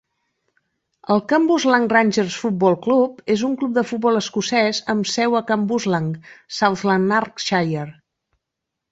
El Cambuslang Rangers Football Club és un club de futbol escocès amb seu a Cambuslang, South Lanarkshire.